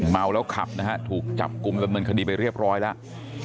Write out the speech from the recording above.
เมาแล้วขับนะฮะถูกจับกลุ่มดำเนินคดีไปเรียบร้อยแล้ว